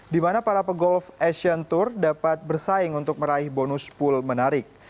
di mana para pegolf asian tour dapat bersaing untuk meraih bonus pool menarik